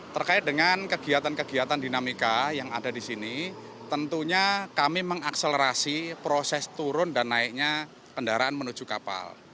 terkait dengan kegiatan kegiatan dinamika yang ada di sini tentunya kami mengakselerasi proses turun dan naiknya kendaraan menuju kapal